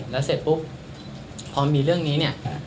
แล้วเสร็จปุ๊บพอมีเรื่องนี้เนี่ย